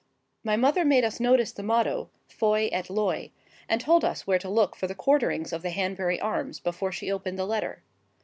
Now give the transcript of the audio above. My mother made us notice the motto, "Foy et Loy," and told us where to look for the quarterings of the Hanbury arms before she opened the letter.